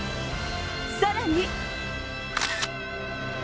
さらに。